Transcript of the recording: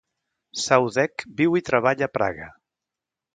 Saudek viu i treballa a Praga.